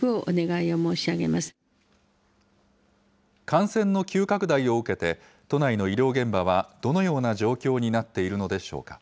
感染の急拡大を受けて、都内の医療現場はどのような状況になっているのでしょうか。